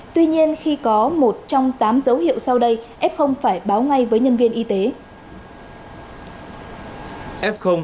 tuy nhiên khi có một trong tám dấu hiệu sau đây f phải báo ngay với nhân viên y tế